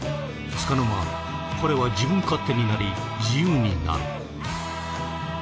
つかの間彼は自分勝手になり自由になる。